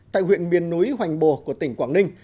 tại huyện miền núi hoành bồ của tỉnh quảng ninh